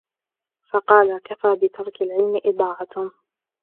فَقَالَ كَفَى بِتَرْكِ الْعِلْمِ إضَاعَةٌ